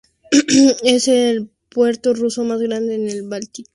Es el puerto ruso más grande en el Báltico.